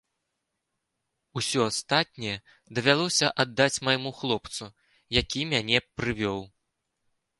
Усё астатняе давялося аддаць майму хлопцу, які мяне прывёў.